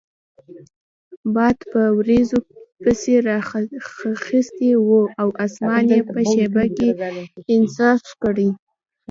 باد په وریځو پسې رااخیستی وو او اسمان یې په شیبه کې صاف کړ.